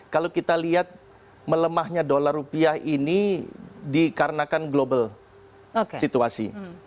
kalau kita lihat melemahnya dolar rupiah ini dikarenakan global situasi